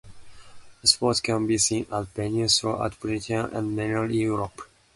The sport can be seen at venues throughout Britain and Mainland Europe.